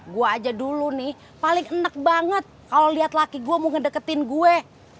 gue aja dulu nih paling enak banget kalau lihat laki gue mau ngedeketin gue